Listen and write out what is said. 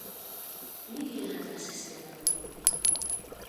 Нигӧат вашештен огыл.